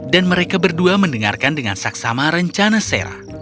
dan mereka berdua mendengarkan dengan saksama rencana sarah